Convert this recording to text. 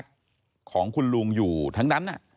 ก็มีการออกรูปรวมปัญญาหลักฐานออกมาจับได้ทั้งหมด